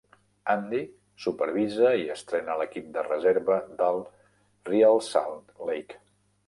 Andy supervisa i entrena l'equip de reserva del Real Salt Lake.